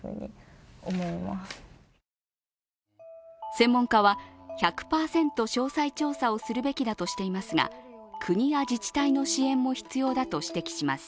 専門家は、１００％詳細調査をするべきだとしていますが、国や自治体の支援も必要だと指摘します。